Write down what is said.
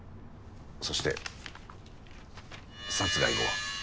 そして殺害後。